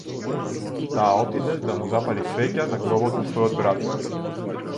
Таа отиде да му запали свеќа на гробот на својот брат.